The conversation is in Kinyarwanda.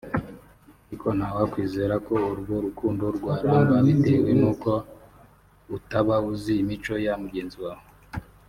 ariko nta wakwizera ko urwo rukundo rwaramba bitewe nuko utaba uzi imico ya mugenzi wawe